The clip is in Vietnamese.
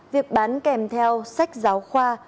việc bán kèm theo sách giáo khoa